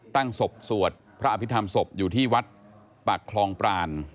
ตั้งศพสวดพระอภิษฐรรมศพอยู่ที่วัดปากคลองปราน